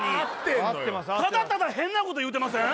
ただただ変なこと言うてません？